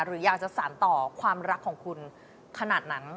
หรืออยากจะสารต่อความรักของคุณขนาดนั้น